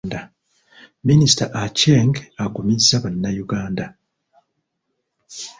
Minisita Acheng agumizza Bannayuganda.